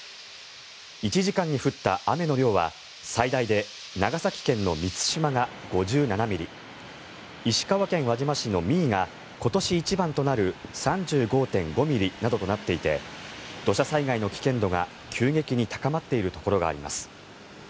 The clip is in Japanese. １時間に降った雨の量は最大で長崎県の美津島が５７ミリ石川県輪島市の三井が今年一番となる３５．５ミリなどとなっていて土砂災害の危険度が急激に高まっているところがあります。